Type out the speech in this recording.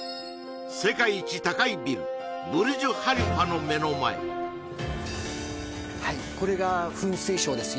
世界一高いビルブルジュ・ハリファの目の前はいこれが噴水ショーです